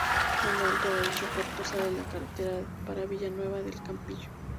En lo alto de dicho puerto sale la carretera para Villanueva del Campillo.